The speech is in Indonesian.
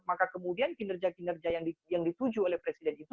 maka kemudian kinerja kinerja yang dituju oleh presiden itu